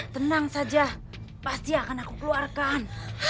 tenang saja pasti akan aku keluarkan